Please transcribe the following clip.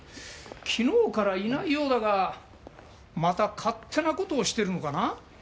昨日からいないようだがまた勝手な事をしてるのかな？